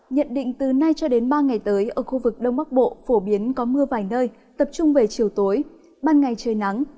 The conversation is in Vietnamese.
nhận định từ nay cho đến ba ngày tới ở khu vực đông bắc bộ phổ biến có mưa vài nơi tập trung về chiều tối ban ngày trời nắng